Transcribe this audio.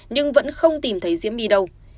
nhưng vẫn không tìm thấy diễm my đâu